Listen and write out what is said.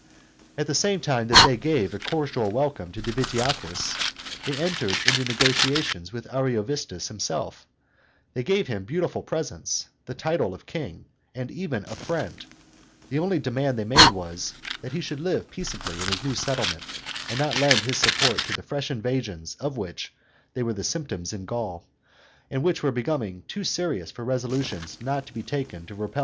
At the same time that they gave a cordial welcome to Divitiacus, they entered into negotiations with Ariovistus himself; they gave him beautiful presents, the title of King, and even of friend; the only demand they made was, that he should live peaceably in his new settlement, and not lend his support to the fresh invasions of which there were symptoms in Gaul, and which were becoming too serious for resolutions not to be taken to repel them.